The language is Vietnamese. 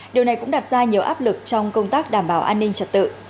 điều này cũng đặt ra nhiều áp lực trong công tác đảm bảo an ninh trật tự